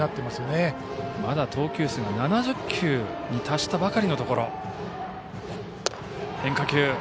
まだ投球数７０球に達したばかりのところ。